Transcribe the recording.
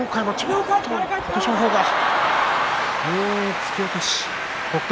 突き落とし北勝